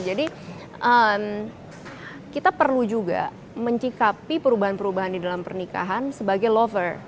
jadi kita perlu juga mencikapi perubahan perubahan di dalam pernikahan sebagai lover